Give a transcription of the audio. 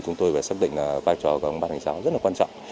chúng tôi phải xác định vai trò của ban hành giáo rất là quan trọng